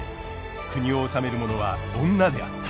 国を治める者は女であった。